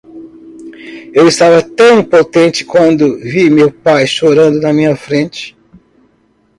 Eu estava tão impotente quando vi meu pai chorando na minha frente.